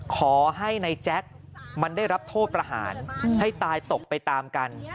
ขอให้ในแจ๊คมันได้รับโทษประหารให้ตายตกไปตามกัน